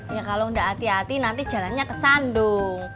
ya kalo gak hati hati nanti jalannya ke sandung